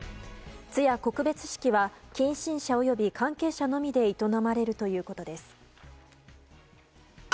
通夜・告別式は近親者および関係者のみで営まれるということです。